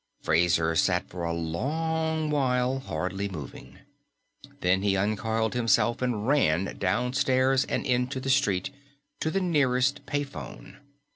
_ Fraser sat for a long while, hardly moving. Then he uncoiled himself and ran, downstairs and into the street and to the nearest pay phone.